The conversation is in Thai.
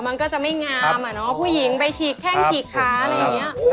มันก็จะไม่งามอ่ะเนาะผู้หญิงไปฉีกแข้งฉีกขาอะไรอย่างนี้